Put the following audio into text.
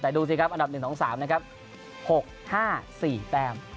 แต่ดูสิครับอันดับ๑๒๓นะครับ๖๕๔แต้ม